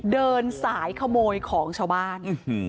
เดินสายขโมยของชาวบ้าน